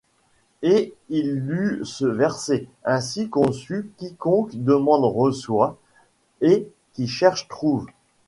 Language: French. Et il lut ce verset, ainsi conçu: Quiconque demande reçoit, et qui cherche trouve.